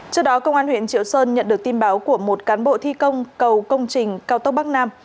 trước đó công an huyện triệu sơn nhận được tin báo của một cán bộ thi công cầu công trình cao tốc bắc nam